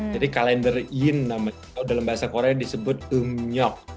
jadi kalender yin dalam bahasa korea disebut umnyok